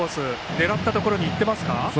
狙ったところにいっていますか？